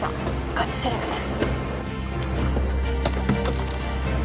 ガチセレブです